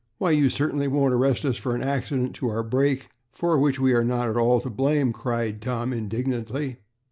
"Why, you certainly won't arrest us for an accident to our brake, for which we are not at all to blame!" cried Tom, indignantly.